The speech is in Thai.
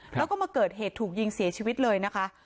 แล้วก็มาเกิดเหตุถูกยิงเสียชีวิตเลยนะคะ